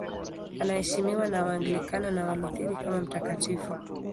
Anaheshimiwa na Waanglikana na Walutheri kama mtakatifu.